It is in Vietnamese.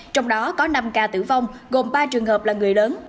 trong đó có năm ca tử vong gồm ba trường hợp là người lớn